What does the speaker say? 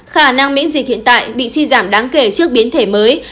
khả năng miễn dịch hiện tại bị suy giảm đáng kể trước biến thể mới